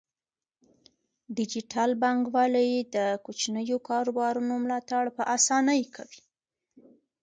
ډیجیټل بانکوالي د کوچنیو کاروبارونو ملاتړ په اسانۍ کوي.